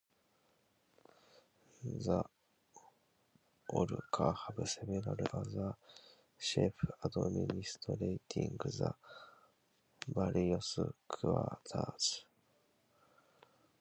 The Olukare have several other chiefs administering the various Quarters.